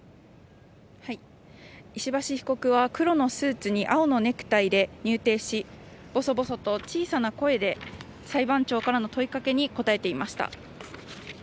石橋被告は黒のスーツに青のネクタイで入廷しぼそぼそと小さな声で裁判長からの問いかけに答えていました。